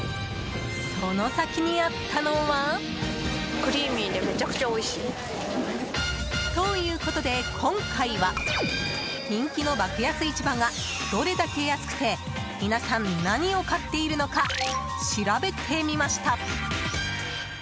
その先にあったのは？ということで今回は人気の爆安市場がどれだけ安くて皆さん何を買っているのか調べてみました。